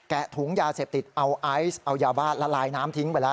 แกะถุงยาเสพติดเอายาบาลละลายน้ำทิ้งไปแล้ว